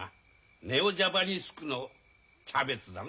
ネオジャパネスクのキャベツだな。